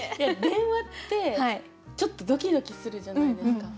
電話ってちょっとドキドキするじゃないですか。